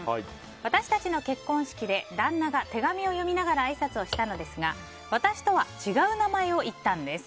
私たちの結婚式で旦那が手紙を読みながらあいさつをしたのですが私とは違う名前を言ったんです。